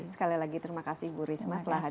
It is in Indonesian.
sekali lagi terima kasih bu risma telah hadir